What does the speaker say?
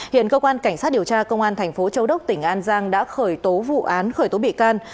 hiện cơ quan cảnh sát điều tra công an thành phố châu đốc tỉnh an giang đã khởi tố vụ án khởi tố bị can